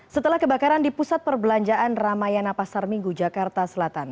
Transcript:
setelah kebakaran di pusat perbelanjaan ramayana pasar minggu jakarta selatan